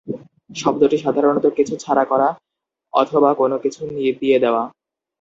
শব্দটি সাধারণত কিছু ছাড়া করা অথবা কোন কিছু দিয়ে দেওয়া।